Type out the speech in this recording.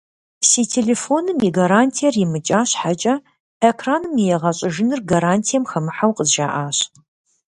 Си телефоным и гарантиер имыкӏа щхьэкӏэ, экраным и егъэщӏыжыныр гарантием хэмыхьэу къызжаӏащ.